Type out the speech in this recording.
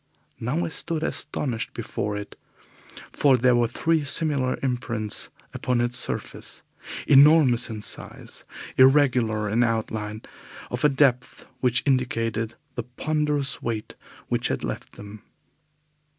Now I stood astonished before it, for there were three similar imprints upon its surface, enormous in size, irregular in outline, of a depth which indicated the ponderous weight which had left them.